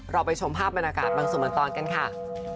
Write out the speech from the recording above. เราไปชมภาพบรรณากาศบังสุขเหมือนตอนกันค่ะ